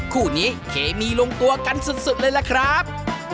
คู่นี้เคมีลงตัวกันสุดเลยล่ะครับ